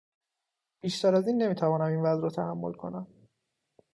بیش از این نمی توانم این وضع را تحمل کنم.